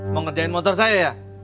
mau ngerjain motor saya ya